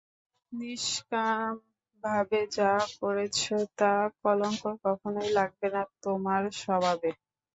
নিষ্কামভাবে যা করেছ তার কলঙ্ক কখনোই লাগবে না তোমার স্বভাবে।